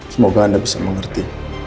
semoga anda bisa mengerti